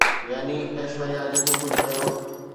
يعني ايشوريا جيڪو ڪجهه ڪيو